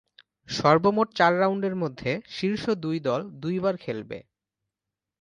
সর্বমোট চার রাউন্ডের মধ্যে শীর্ষ দুই দল দুইবার খেলবে।